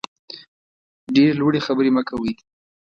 ډېرې لوړې خبرې مه کوئ.